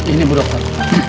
ini bu dokter